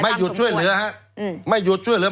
หยุดช่วยเหลือฮะไม่หยุดช่วยเหลือ